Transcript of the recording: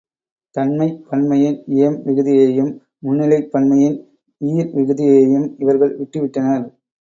தன்மைப் பன்மையின் ஏம் விகுதியையும், முன்னிலைப் பன்மையின் ஈர் விகுதியையும் இவர்கள் விட்டுவிட்டனர்.